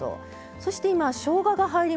そして今しょうがが入りました。